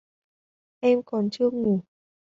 Em còn chưa ngủ